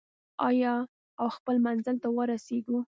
آیا او خپل منزل ته ورسیږو؟